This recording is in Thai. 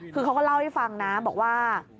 คือเขาก็เล่าให้ฟังนะบอกว่า